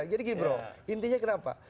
jadi ghibro intinya kenapa